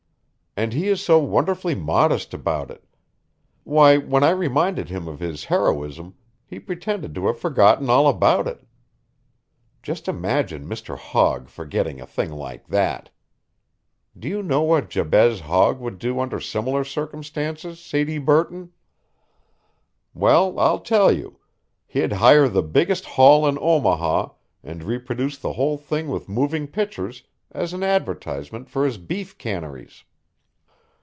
And he is so wonderfully modest about it. Why, when I reminded him of his heroism he pretended to have forgotten all about it. Just imagine Mr. Hogg forgetting a thing like that! Do you know what Jabez Hogg would do under similar circumstances, Sadie Burton? Well, I'll tell you he'd hire the biggest hall in Omaha and reproduce the whole thing with moving pictures as an advertisement for his beef canneries."